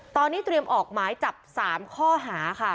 ตอนนี้เตรียมออกหมายจับ๓ข้อหาค่ะ